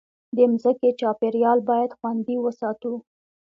د مځکې چاپېریال باید خوندي وساتو.